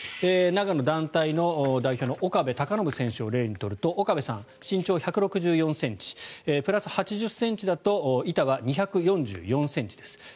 長野団体の岡部孝信選手を例に取ると岡部さん、身長１６４ｃｍプラス８０ｃｍだと板は２４４ｃｍです。